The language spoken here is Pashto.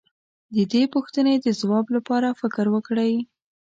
د دې پوښتنې د ځواب لپاره فکر وکړئ.